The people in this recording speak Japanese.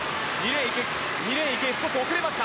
２レーン、池江少し遅れました。